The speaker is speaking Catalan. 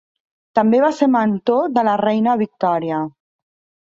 També va ser mentor de la reina Victòria.